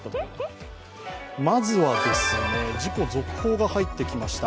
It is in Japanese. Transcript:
まずは、事故続報が入ってきました。